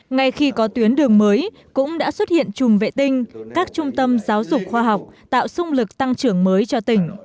ngay khi có tuyến đường mới cũng đã xuất hiện chùm vệ tinh các trung tâm giáo dục khoa học tạo xung lực tăng trưởng mới cho tỉnh